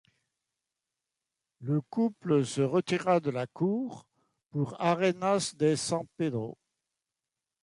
Le couple se retira de la cour pour Arenas de San Pedro.